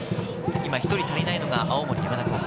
今１人足りないのが青森山田高校。